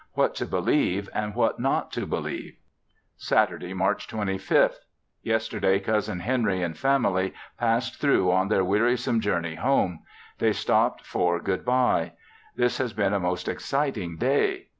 What to believe and what not to believe! Saturday, March 25th. Yesterday Cousin Henry and family passed through on their wearisome journey home; they stopped for good bye. This has been a most exciting day.